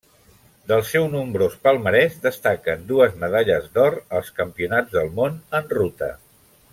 Del seu nombrós palmarès destaquen dues medalles d'or als Campionats del Món en Ruta.